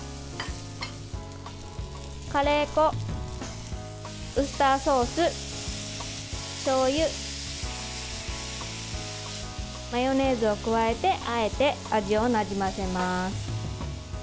カレー粉、ウスターソースしょうゆ、マヨネーズを加えてあえて味をなじませます。